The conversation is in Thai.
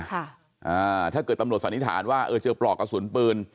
ถ้าเกิดตำรวจสันนิษฐานว่าเออเจอปลอกกระสุนปืน